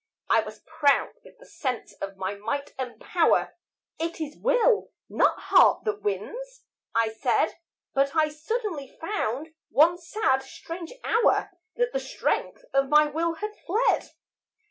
I was proud with the sense of my might and power 'It is will, not heart that wins,' I said. But I suddenly found one sad, strange hour That the strength of my will had fled.